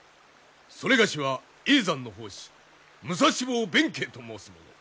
それがしは叡山の法師武蔵坊弁慶と申す者。